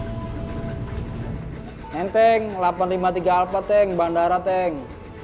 hai neng teng delapan ratus lima puluh tiga alpha teng bandara teng